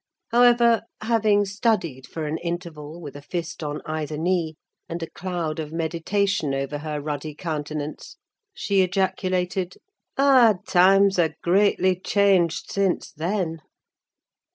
However, having studied for an interval, with a fist on either knee, and a cloud of meditation over her ruddy countenance, she ejaculated—"Ah, times are greatly changed since then!"